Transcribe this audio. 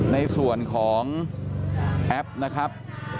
ในส่วนของแอปนะครับ